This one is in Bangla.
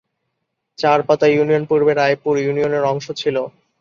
চর পাতা ইউনিয়ন পূর্বে রায়পুর ইউনিয়নের অংশ ছিল।